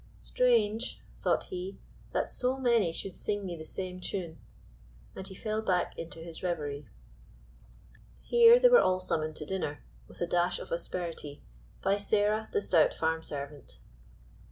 "Strange," thought he, "that so many should sing me the same tune," and he fell back into his reverie. Here they were all summoned to dinner, with a dash of asperity, by Sarah the stout farm servant.